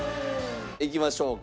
いきましょうか。